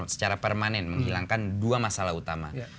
secara permanen menghilangkan dua masalah utama